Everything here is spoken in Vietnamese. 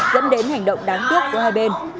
dẫn đến hành động đáng tiếc của hai bên